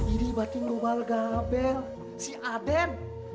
ini berarti ngobal gabel si aden